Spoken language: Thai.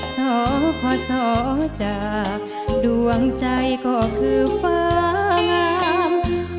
สพศจากดวงใจก็คือฟ้างาม